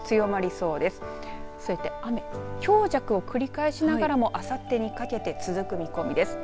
そうやって雨、強弱を繰り返しながらもあさってにかけて続く見込みです。